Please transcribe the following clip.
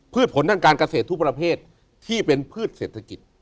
ผลทางการเกษตรทุกประเภทที่เป็นพืชเศรษฐกิจ